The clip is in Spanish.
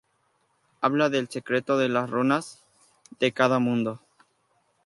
Habla del secreto de las runas de cada mundo.